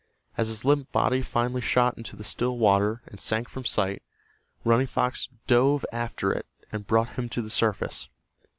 As his limp body finally shot into the still water and sank from sight, Running Fox dove after it and brought him to the surface.